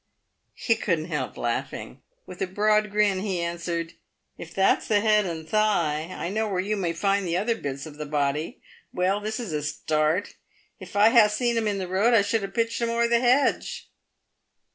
_He couldn't help laughing. With a broad grin he answered, " If that's the head and thigh, I know where you may find the other bits of the body. "Well, this is a start. If I'd ha' seen 'em in the road, I should have pitched 'em over the hedge."